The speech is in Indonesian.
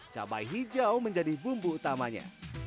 cabai hijau menjadi bumbu utamanya